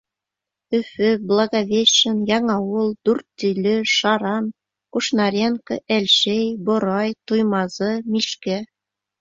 Өфө, Благовещен, Яңауыл, Дүртөйлө, Шаран, Кушнаренко, Әлшәй, Борай, Туймазы, Мишкә...